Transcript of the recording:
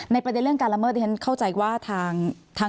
ประเด็นเรื่องการละเมิดที่ฉันเข้าใจว่าทาง